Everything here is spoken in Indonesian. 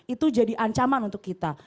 itu jadi ancaman untuk kita